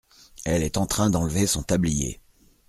Elle est en train d’enlever son tablier.